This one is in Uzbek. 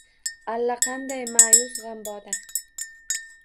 Allaqanday ma’yus, g‘amboda.